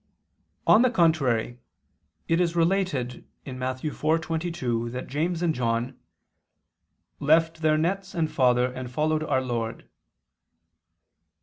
On the contrary, It is related (Matt. 4:22) that James and John "left their nets and father, and followed our Lord."